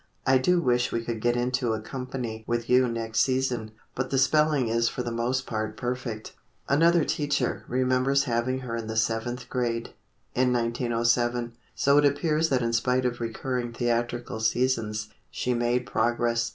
I do wish we could get into a 'conpany' with you next season." But the spelling is for the most part perfect. Another teacher remembers having her in the Seventh Grade, in 1907, so it appears that in spite of recurring theatrical seasons, she made progress.